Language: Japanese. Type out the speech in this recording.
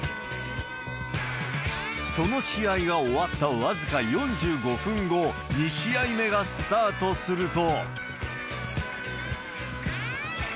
その試合が終わった僅か４５分後、２試合目がスタートすると。